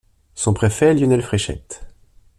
Son préfet est Lionel Fréchette.